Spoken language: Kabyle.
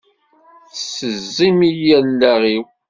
Tessezzim-iyi allaɣ-iw!